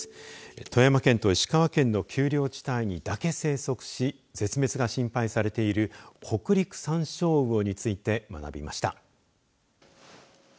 富山県と石川県の丘陵地帯にだけ生息し絶滅が心配されているホクリクサンショウウオについて学びました。